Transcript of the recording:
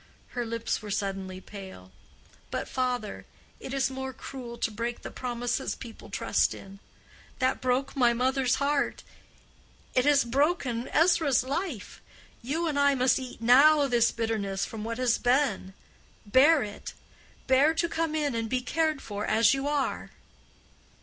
Her lips were suddenly pale. "But, father, it is more cruel to break the promises people trust in. That broke my mother's heart—it has broken Ezra's life. You and I must eat now this bitterness from what has been. Bear it. Bear to come in and be cared for as you are."